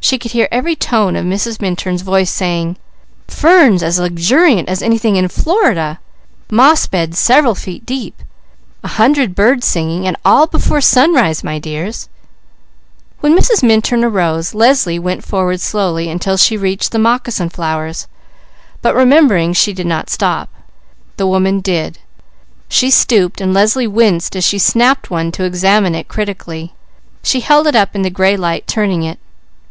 She could hear every tone of Mrs. Minturn's voice saying: "Ferns as luxuriant as anything in Florida! Moss beds several feet deep. A hundred birds singing, and all before sunrise, my dears!" When Mrs. Minturn arose Leslie went forward slowly until she reached the moccasin flowers, but remembering, she did not stop. The woman did. She stooped and Leslie winced as she snapped one to examine it critically. She held it up in the gray light, turning it.